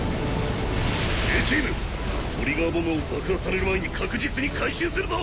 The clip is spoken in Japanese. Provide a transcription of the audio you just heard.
トリガーボムを爆破される前に確実に回収するぞ！